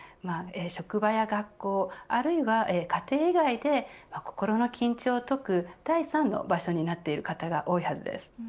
職場や学校あるいは家庭以外で心の緊張を解く第３の場所になっている方が多いはずです。